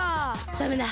ダメだ！